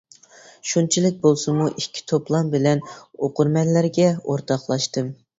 شۇنچىلىك بولسىمۇ ئىككى توپلام بىلەن ئوقۇرمەنلەرگە ئورتاقلاشتىم.